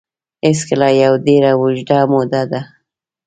هېڅکله یوه ډېره اوږده موده ده